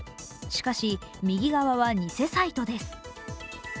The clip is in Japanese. しかし、右側は偽サイトです。